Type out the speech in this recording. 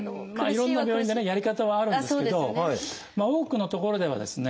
いろんな病院でねやり方はあるんですけど多くの所ではですね